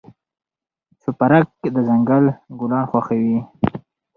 شوپرک د ځنګل ګلان خوښوي.